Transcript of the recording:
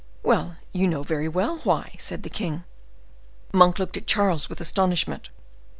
"Well! you know very well why," said the king. Monk looked at Charles with astonishment.